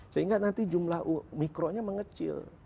sehingga nanti jumlah mikronya mengecil